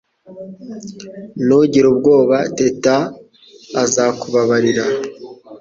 Ntugire ubwoba Teta azakubabarira